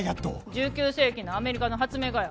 １９世紀のアメリカの発明家や。